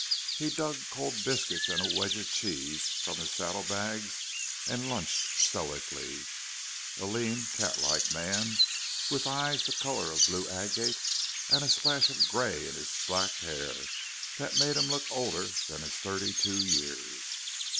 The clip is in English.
He dug cold biscuits and a wedge of cheese from his saddlebags and lunched stoically; a lean, catlike man with eyes the color of blue agate and a splash of gray in his black hair that made him look older than his thirty two years.